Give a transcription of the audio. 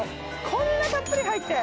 こんなたっぷり入って。